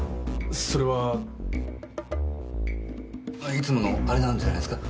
いつものあれなんじゃないすか？